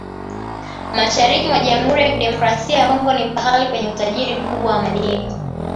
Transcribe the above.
Mashariki mwa Jamhuri ya Kidemokrasia ya Kongo ni pahali penye utajiri mkubwa wa madini